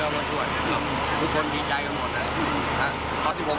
ไม่ต้องมีทวง